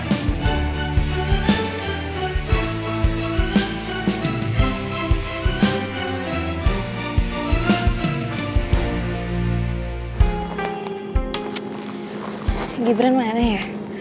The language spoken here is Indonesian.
tsk gibran mah aneh ya